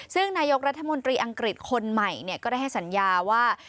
ซึ่งนายกรัฐมนตรีอังกฤษคนใหม่ก็ได้ให้สัญญาว่า